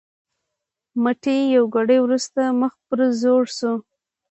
مټې یوه ګړۍ وروسته مخ پر ځوړو شو.